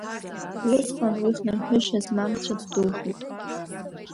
Усҟан уи хнырҳәышьа змам цәыӡ духоит.